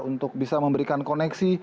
untuk bisa memberikan koneksi